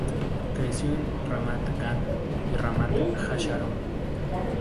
Creció en Ramat Gan y Ramat Hasharon.